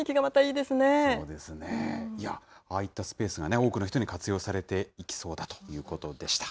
いや、ああいったスペースが多くの人に活用されていきそうだということでした。